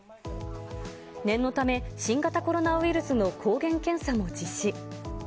念のため、新型コロナウイルスの抗原検査も実施。